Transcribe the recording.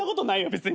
別に。